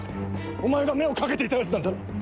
お前が目を掛けていたヤツなんだろ？